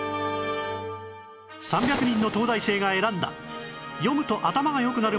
３００人の東大生が選んだ読むと頭が良くなる漫画